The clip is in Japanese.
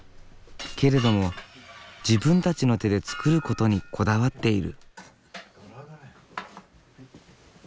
けれども自分たちの手で作ることにこだわっている。